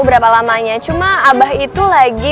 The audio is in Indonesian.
berapa lamanya cuma abah itu lagi